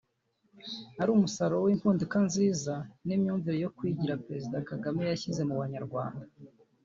ari umusaruro w’impinduka nziza n’imyumvire yo kwigira Perezida Kagame yashyize mu banyarwanda